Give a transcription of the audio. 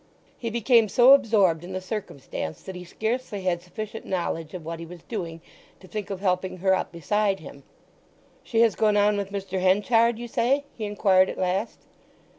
He became so absorbed in the circumstance that he scarcely had sufficient knowledge of what he was doing to think of helping her up beside him. "She has gone on with Mr. Henchard, you say?" he inquired at last.